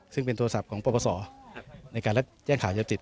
ซึ่งเป็นโทรศัพท์ของประประสอบในการแจ้งข่าวยาเสพติด